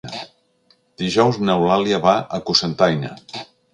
Dijous n'Eulàlia va a Cocentaina.